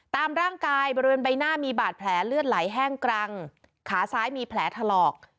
ตามร่างกายบริเวณใบหน้ามีบาดแผลเลือดไหลแห้งกรังขาซ้ายมีแผลถลอก